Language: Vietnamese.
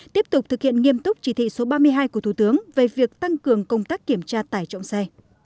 tiếp tục thực hiện nghiêm túc chỉ thị số ba mươi hai của thủ tướng về việc tăng cường công tác kiểm tra tải trọng xe